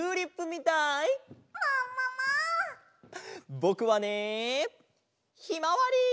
ぼくはねひまわり！